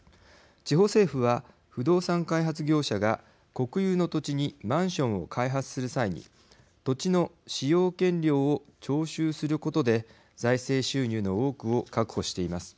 地方政府は不動産開発業者が国有の土地にマンションを開発する際に土地の使用権料を徴収することで財政収入の多くを確保しています。